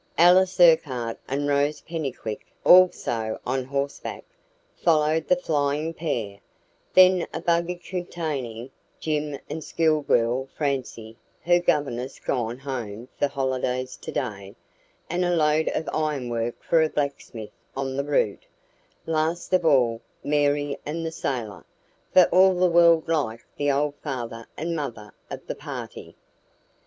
Alice Urquhart and Rose Pennycuick, also on horseback, followed the flying pair; then a buggy containing Jim and schoolgirl Francie (her governess gone home for holidays today), and a load of ironwork for a blacksmith on the route; last of all, Mary and the sailor, for all the world like the old father and mother of the party.